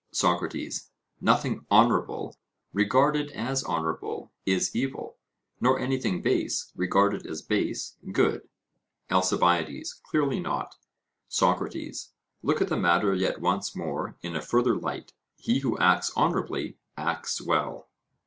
SOCRATES: Nothing honourable, regarded as honourable, is evil; nor anything base, regarded as base, good. ALCIBIADES: Clearly not. SOCRATES: Look at the matter yet once more in a further light: he who acts honourably acts well?